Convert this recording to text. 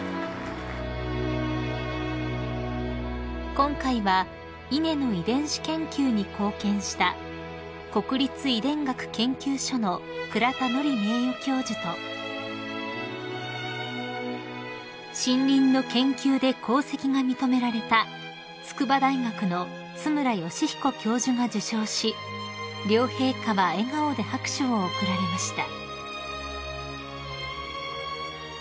［今回は稲の遺伝子研究に貢献した国立遺伝学研究所の倉田のり名誉教授と森林の研究で功績が認められた筑波大学の津村義彦教授が受賞し両陛下は笑顔で拍手を送られました］